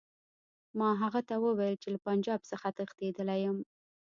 ما هغه ته وویل چې له پنجاب څخه تښتېدلی یم.